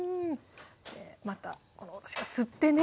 またこのおろしが吸ってね！ね！